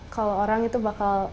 kalau orang itu bakal